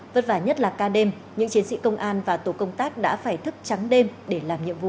vất vả nhất là ca đêm những chiến sĩ công an và tổ công tác đã phải thức trắng đêm để làm nhiệm vụ